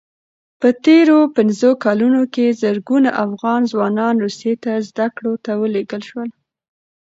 په تېرو پنځو کلونو کې زرګونه افغان ځوانان روسیې ته زدکړو ته ولېږل شول.